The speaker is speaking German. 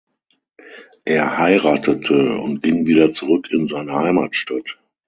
Er heiratete und ging wieder zurück in seine Heimatstadt.